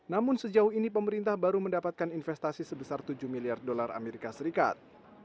namun sejauh ini pemerintah baru mendapatkan investasi sebesar tujuh miliar dolar amerika serikat